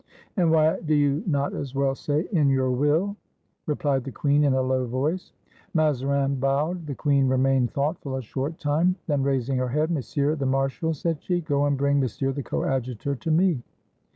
"And why do you not as well say, in your will? ^^ re plied the queen, in a low voice. Mazarin bowed. The queen remained thoughtful a 258 IN THE DAYS OF THE FRONDE short time. Then, raising her head, " Monsieur the Mar shal," said she, "go and bring Monsieur the Coadjutor to me."